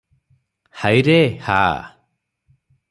ହାଇରେ -ହା!